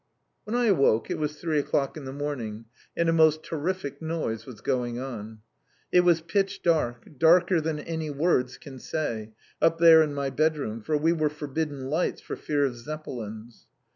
When I awoke, it was three o'clock in the morning, and a most terrific noise was going on. It was pitch dark, darker than any words can say, up there in my bedroom, for we were forbidden lights for fear of Zeppelins.